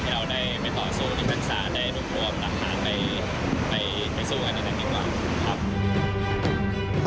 ที่เราได้ไปต่อสู้ดิมัติศาสตร์ได้รวมประหารไปสู้กันอีกหนึ่งดีกว่าครับ